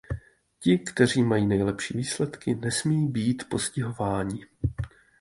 Ti, kteří mají nejlepší výsledky, nesmí být postihováni.